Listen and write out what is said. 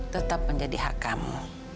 tetap menjadi hak kamu